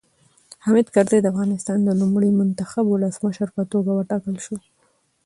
حامد کرزی د افغانستان د لومړي منتخب ولسمشر په توګه وټاکل شو.